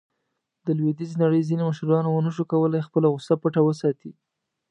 د لویدیځې نړۍ ځینو مشرانو ونه شو کولاې خپله غوصه پټه وساتي.